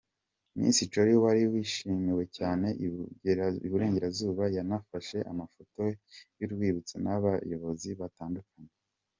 Miss Jolly wari wishimiwe cyane i Burengerazuba, yanafashe amafoto y'urwibutso n'abayobozi batandukanye.